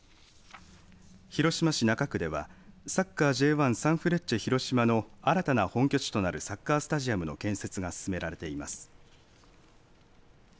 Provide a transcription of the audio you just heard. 広島市中区ではサッカーＪ１サンフレッチェ広島の新たな本拠地となるサッカースタジアムの建設が進められています。